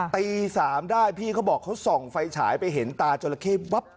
ตี๓ได้พี่เขาบอกเขาส่องไฟฉายไปเห็นตาจราเข้วับ